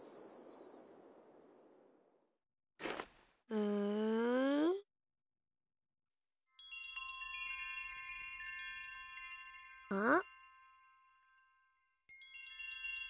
うん？あっ。